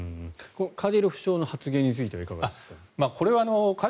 カディロフ首長の発言についてはいかがですか。